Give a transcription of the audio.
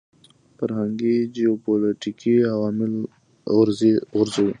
فرهنګي جیوپولیټیکي عوامل غورځوي.